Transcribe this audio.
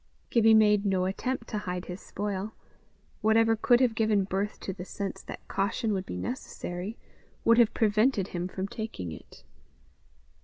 Gibbie made no attempt to hide his spoil; whatever could have given birth to the sense that caution would be necessary, would have prevented him from taking it.